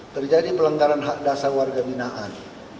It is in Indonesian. terjadi pelenggaran hak dasar warga pembinaan